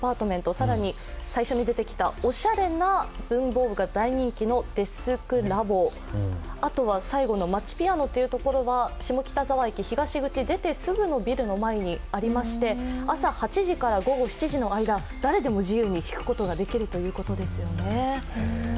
更に最初に出てきたおしゃれな文房具が大人気のＤＥＳＫＬＡＢＯ、あとは最後のまちピアノは下北沢駅東口出てすぐのビルの前にありまして朝８時から午後７時の間、誰でも自由に弾けるということなんですね。